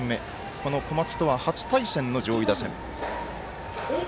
この小松とは初対戦の上位打線。